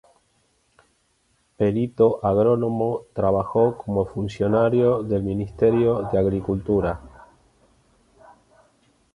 Perito agrónomo, trabajó como funcionario del Ministerio de Agricultura.